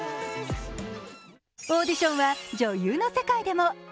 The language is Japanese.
オーディションは女優の世界でも。